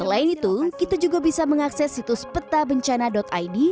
selain itu kita juga bisa mengakses situs petabencana id